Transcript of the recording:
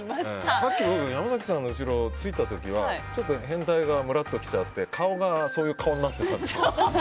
さっき僕山崎さんの後ろついた時はちょっと、変態がむらっときちゃって顔がそういう顔になってた。